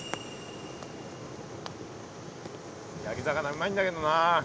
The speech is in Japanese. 焼き魚うまいんだけどな。